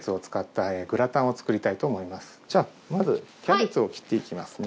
じゃあまずキャベツを切っていきますね。